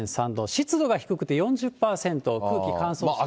湿度が低くて４０％、空気乾燥しています。